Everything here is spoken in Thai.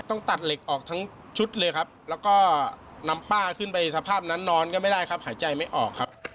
ต้องตัดเหล็กออกทั้งชุดเลยครับแล้วก็นำป้าขึ้นไปสภาพนั้นนอนก็ไม่ได้ครับหายใจไม่ออกครับ